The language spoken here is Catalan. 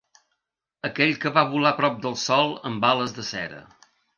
Aquell que va volar prop del sol amb ales de cera.